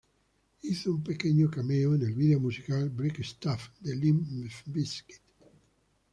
Hizo un pequeño cameo en el vídeo musical "Break Stuff" de Limp Bizkit.